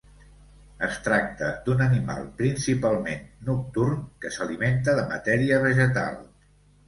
Es tracta d'un animal principalment nocturn que s'alimenta de matèria vegetal.